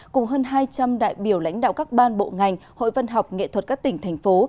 cùng hơn hai trăm linh đại biểu lãnh đạo các ban bộ ngành hội văn học nghệ thuật các tỉnh thành phố